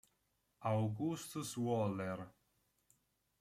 Augustus Waller